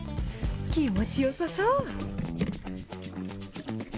気持ちよさそう。